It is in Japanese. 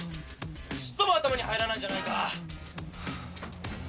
ちっとも頭に入らないじゃないか！